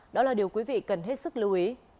đó là điều quý vị cần hết sức lưu ý